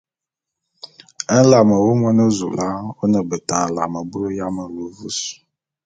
Nlame wu, Monezoula, ô ne beta nlame bulu ya melu mvus.